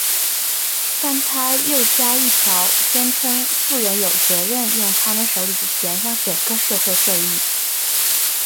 但他又加一条宣称富人有责任用他们手里的钱来让整个社会受益。